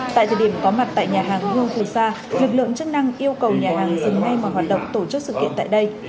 tại thời điểm có mặt tại nhà hàng hương phù sa lực lượng chức năng yêu cầu nhà hàng dừng ngay mọi hoạt động tổ chức sự kiện tại đây